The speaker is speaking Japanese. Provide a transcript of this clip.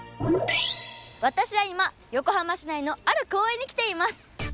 私は今横浜市内のある公園に来ています。